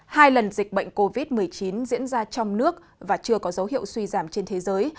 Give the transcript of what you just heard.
hai lần dịch bệnh covid một mươi chín diễn ra trong nước và chưa có dấu hiệu suy giảm trên thế giới